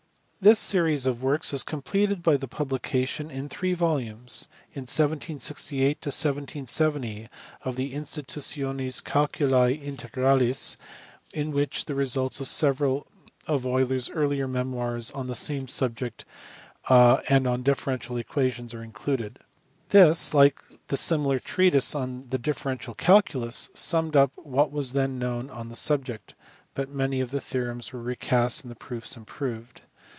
This series of works was completed by the publication in three volumes in 1768 to 1770 of the Institutions Calculi EULER. 403 Integralis in which the results of several of Euler s earlier memoirs on the same subject and on differential equations are included. This, like the similar treatise on the differential calculus, summed up what was then known on the subject, but many of the theorems were recast and the proofs improved.